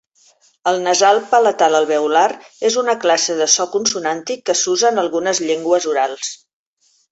El nasal palatal alveolar és una classe de so consonàntic que s'usa en algunes llengües orals.